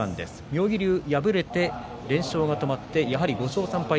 妙義龍は敗れて連勝が止まってやはり５勝３敗。